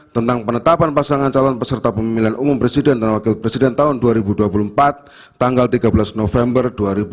tentang penetapan pasangan calon peserta pemilihan umum presiden dan wakil presiden tahun dua ribu dua puluh empat tanggal tiga belas november dua ribu dua puluh